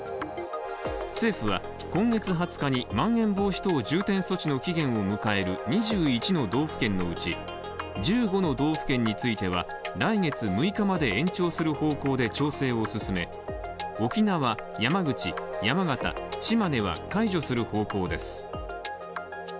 政府は今月２０日にまん延防止等重点措置の期限を迎える２１の道府県のうち１５の道府県については来月６日まで延長する方向で沖縄、山口、山形、島根は解除する方向です。